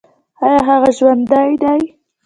ایا هغه ژوندی دی؟